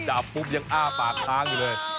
จับปุ๊บยังอ้าปากค้างอยู่เลย